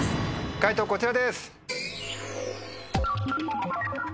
解答こちらです。